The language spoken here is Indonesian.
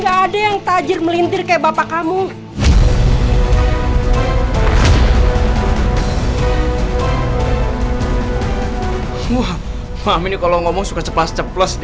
gue cuma dikerjain doang pasti